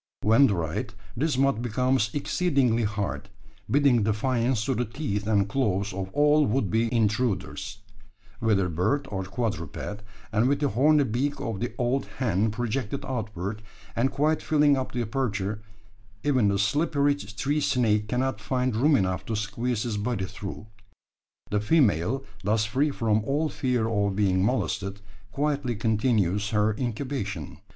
When dried, this mud becomes exceedingly hard bidding defiance to the teeth and claws of all would be intruders, whether bird or quadruped; and with the horny beak of the old hen projected outward, and quite filling up the aperture, even the slippery tree snake cannot find room enough to squeeze his body through. The female, thus free from all fear of being molested, quietly continues her incubation!